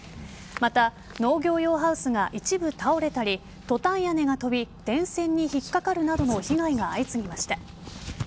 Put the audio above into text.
また、農業用ハウスが一部倒れたりトタン屋根が飛び、電線に引っ掛かるなどの被害が相次ぎました。